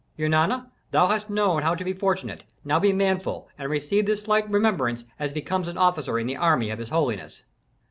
"Eunana, thou hast known how to be fortunate, now be manful and receive this slight remembrance as becomes an officer in the army of his holiness."